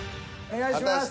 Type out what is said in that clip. お願いします。